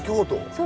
そう。